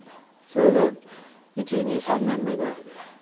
それが１２３年目ぐらいで。